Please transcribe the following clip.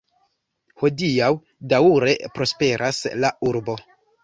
Hodiaŭ daŭre prosperas la Urbo.